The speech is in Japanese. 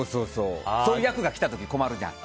そういう役が来た時困るじゃん。